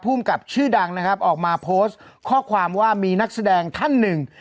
ภูมิกับชื่อดังนะครับออกมาโพสต์ข้อความว่ามีนักแสดงท่านหนึ่ง